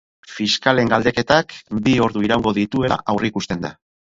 Fiskalen galdeketak bi ordu iraungo dituela aurreikusten da.